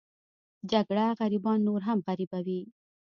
جګړه غریبان نور هم غریبوي